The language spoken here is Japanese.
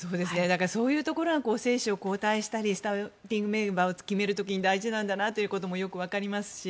そういうところが選手を交代したりスターティングメンバーを決める時に大事なんだなということもよく分かりますし。